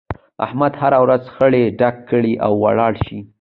احمد هر ورځ خړی ډک کړي او ولاړ شي.